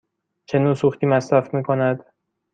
چه نوع سوختی مصرف می کند؟